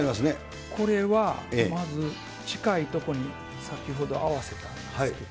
これはまず、近い所に先ほど合わせたんですけど。